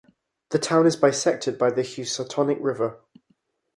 The town is bisected by the Housatonic River.